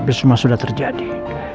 aku harus berpikir dengan percaya sama dia